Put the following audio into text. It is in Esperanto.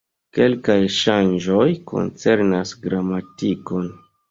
Kelkaj ŝanĝoj koncernas gramatikon.